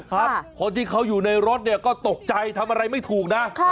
คนที่เขาอยู่ในรถเนี่ยก็ตกใจทำอะไรไม่ถูกนะ